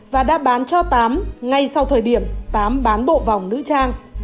và đã bán cho tám ngay sau thời điểm tám bán bộ vòng nữ trang